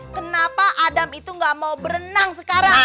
kenapa adam itu gak mau berenang sekarang